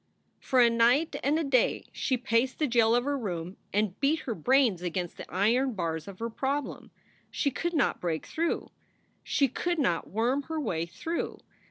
For a night and a day she paced the jail of her room and beat her brains against the iron bars of her problem. She could not break through. She could not worm her way through.